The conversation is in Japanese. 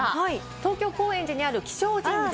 東京・高円寺にある気象神社。